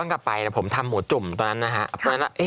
ขายซูชิ